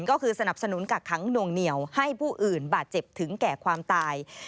ก็คือสนับสนุนกักขังหน่วงเหนียวให้ผู้อื่นบาดเจ็บถึงแก่ความตาย